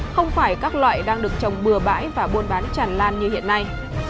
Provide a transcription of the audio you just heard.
không phải các loại đang được trồng bừa bãi và buôn bán tràn lan như hiện nay